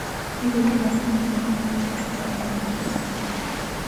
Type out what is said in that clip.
He was born in the same place as Samuel Vincent.